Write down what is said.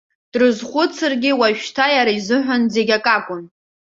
Дрызхәыцыргьы, уажәшьҭа иара изыҳәан зегь акакәын.